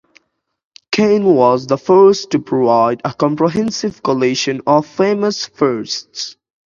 Kane was the first to provide a comprehensive collation of famous firsts.